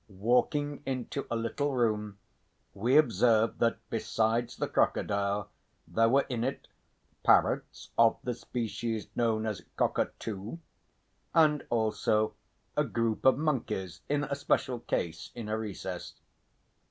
Walking into a little room, we observed that besides the crocodile there were in it parrots of the species known as cockatoo, and also a group of monkeys in a special case in a recess.